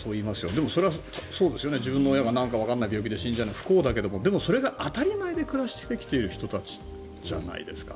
でも、それはそうですよね。自分の親が何かわからない病気で死んじゃうのは不幸だけどでも、それが当たり前で暮らしている人たちじゃないですか。